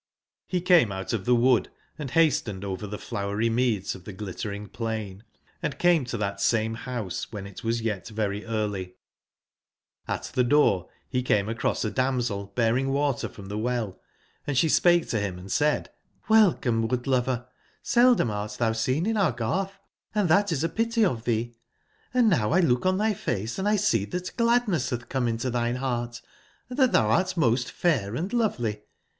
Re came out of the wood and hastened over the flowery meads of the Glittering plain, and came to that same house when it was yet very early. Ht the door he came across a damsel bearing water from the well, and she spake to him and said: ''Odelcome, ^ood/ lover! Seldom art thou seen in our garth; & that is a pity of thee. Hnd now X look on thy face X see that gladness hath come into thine heart, and that thou art most fair and lovely.